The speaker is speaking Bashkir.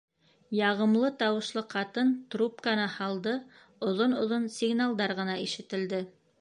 - Яғымлы тауышлы ҡатын трубканы һалды, оҙон-оҙон сигналдар ғына ишетелде.